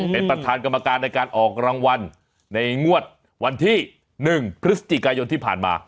เป็นประธานกรรมการในการออกรางวัลในงวดวันที่๑พฤศจิกายนที่ผ่านมา